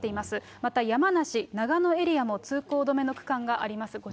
また、山梨・長野エリアも通行止めの区間があります。